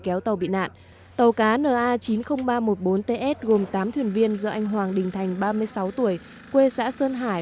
kéo tàu bị nạn tàu cá na chín mươi nghìn ba trăm một mươi bốn ts gồm tám thuyền viên do anh hoàng đình thành ba mươi sáu tuổi quê xã sơn hải